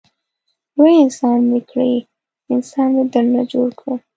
لوی انسان مې کړې انسان مې درنه جوړ کړ.